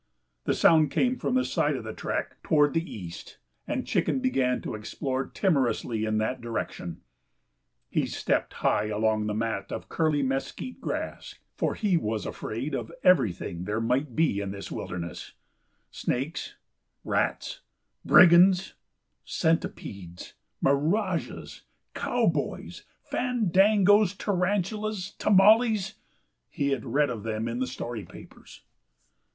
The sound came from the side of the track toward the east, and Chicken began to explore timorously in that direction. He stepped high along the mat of curly mesquit grass, for he was afraid of everything there might be in this wilderness snakes, rats, brigands, centipedes, mirages, cowboys, fandangoes, tarantulas, tamales he had read of them in the story papers.